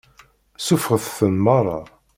Suffɣet-ten meṛṛa.